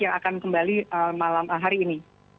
yang akan kembali malam hari ini